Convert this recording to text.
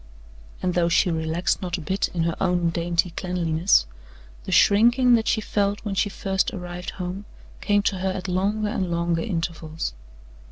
And though she relaxed not a bit in her own dainty cleanliness, the shrinking that she felt when she first arrived home, came to her at longer and longer intervals.